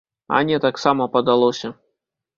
А не, таксама падалося.